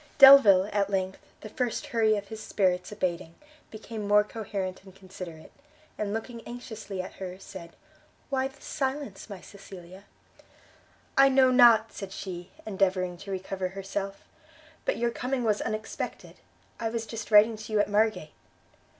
Delvile, at length, the first hurry of his spirits abating, became more coherent and considerate: and looking anxiously at her, said, "Why this silence, my Cecilia?" "I know not!" said she, endeavouring to recover herself, "but your coming was unexpected: I was just writing to you at Margate."